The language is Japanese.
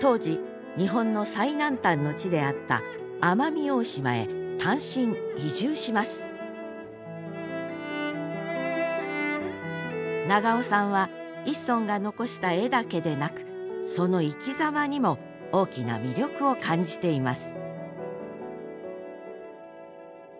当時日本の最南端の地であった奄美大島へ単身移住します長尾さんは一村が残した絵だけでなくその生きざまにも大きな魅力を感じています